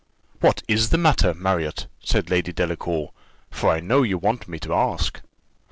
"What is the matter, Marriott?" said Lady Delacour; "for I know you want me to ask."